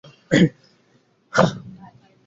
এমন কত জায়গায় কত কলরব উঠিয়াছে তাহার ঠিকানা নাই।